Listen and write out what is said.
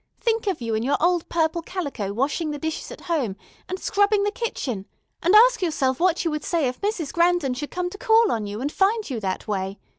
Think of you in your old purple calico washing the dishes at home, and scrubbing the kitchen, and ask yourself what you would say if Mrs. Grandon should come to call on you, and find you that way.